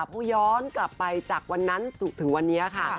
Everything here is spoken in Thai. พูดย้อนกลับไปจากวันนั้นจนถึงวันนี้ค่ะ